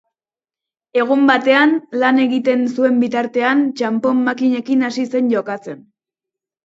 Egun batean, lan egiten zuen bitartean, txanpon-makinekin hasi zen jokatzen.